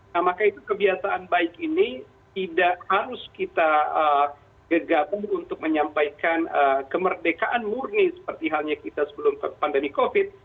nah maka itu kebiasaan baik ini tidak harus kita gegabah untuk menyampaikan kemerdekaan murni seperti halnya kita sebelum pandemi covid